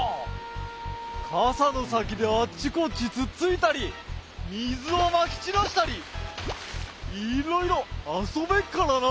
かさのさきであっちこっちつっついたりみずをまきちらしたりいろいろあそべっからな。